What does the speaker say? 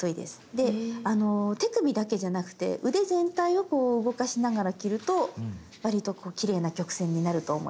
で手首だけじゃなくて腕全体をこう動かしながら切ると割とこうきれいな曲線になると思います。